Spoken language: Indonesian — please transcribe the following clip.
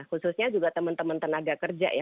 khususnya juga teman teman tenaga kerja ya